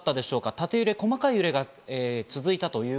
縦揺れ、細かい揺れが続きました。